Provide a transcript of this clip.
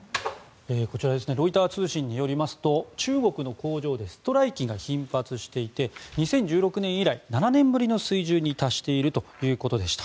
ロイター通信によりますと中国の工場でストライキが頻発していて２０１６年以来７年ぶりの水準に達しているということです。